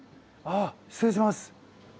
あ失礼します。